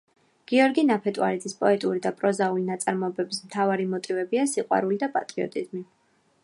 გიორგი ნაფეტვარიძის პოეტური და პროზაული ნაწარმოებების მთავარი მოტივებია სიყვარული და პატრიოტიზმი.